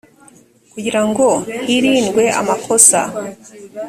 kugira ngo hirindwe amakosa